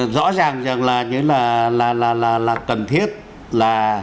rõ ràng rằng là cần thiết là